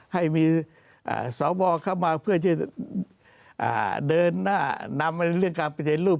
ให้มีสวเข้ามาเพื่อจะเดินหน้านำเรื่องการปฏิรูป